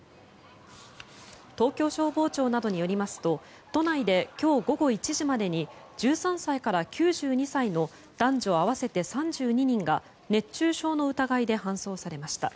東京消防庁などによりますと都内で今日午後１時までに１３歳から９２歳までの男女合わせて３２人が熱中症の疑いで搬送されました。